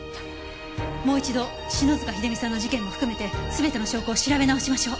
もう一度篠塚秀実さんの事件も含めて全ての証拠を調べ直しましょう。